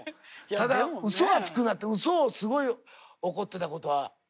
ただうそはつくなってうそをすごい怒ってたことはありますね。